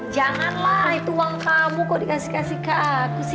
janganlah itu uang tamu kok dikasih kasih ke aku sih